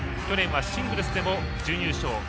去年はシングルスでも準優勝。